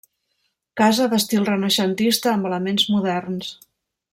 Casa d'estil renaixentista amb elements moderns.